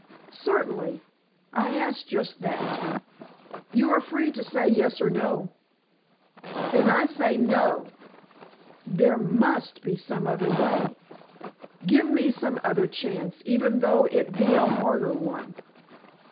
"Certainly; I ask just that. You are free to say yes or no!" "Then, I say no. There must be some other way! Give me some other chance, even though it be a harder one!"